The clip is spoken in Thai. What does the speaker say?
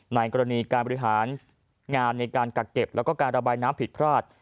ในกรณีการบริหารงานในการกักเก็บแล้วก็การระบายน้ำผิดพลาด